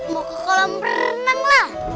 mau ke kolam renang lah